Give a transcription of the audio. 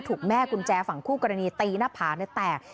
ถูกแม่กุญแจฝั่งคู่กรณีตีหน้าผากแตก